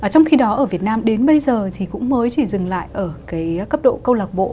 trong khi đó ở việt nam đến bây giờ thì cũng mới chỉ dừng lại ở cái cấp độ câu lạc bộ